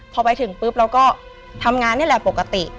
พอไปถึงปุ๊บเราก็ทำงานนี่แหละปกติ